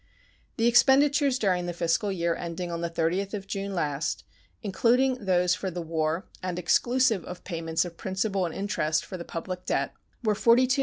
The expenditures during the fiscal year ending on the 30th of June last, including those for the war and exclusive of payments of principal and interest for the public debt, were $42,811,970.